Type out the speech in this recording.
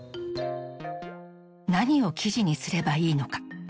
何を記事にすればいいのか。